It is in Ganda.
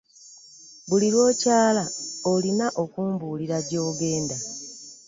Buli lw'okyala olina okumbuulira gy'ogenda.